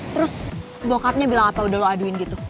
terus bokapnya bilang apa udah lo aduin gitu